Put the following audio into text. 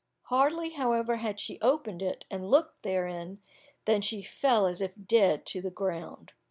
Hardly, however, had she opened it, and looked therein, than she fell as if dead to the ground.